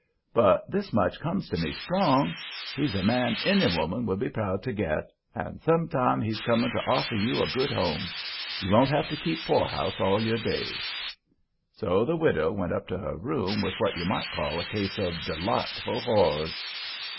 But this much comes to me strong: He's a man any woman would be proud to get, and some time he's coming to offer you a good home. You won't have to keep poorhouse all your days." So the widow went up to her room with what you might call a case of delightful horrors.